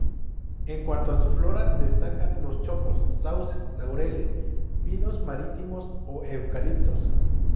En cuanto a su flora, destacan los chopos, sauces, laureles, pinos marítimos o eucaliptos.